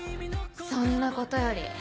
そんなことより。